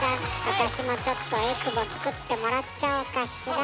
私もちょっとえくぼつくってもらっちゃおうかしら。